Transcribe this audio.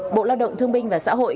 bộ lao động thương binh và xã hội